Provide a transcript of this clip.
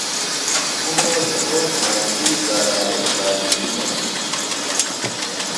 ئەمڕو دھۆک ناوچەی زاراوەی بادینییە